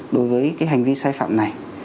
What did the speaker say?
đối với cái hành vi sai phạm này